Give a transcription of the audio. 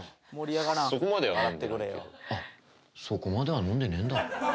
あっそこまでは飲んでねえんだ。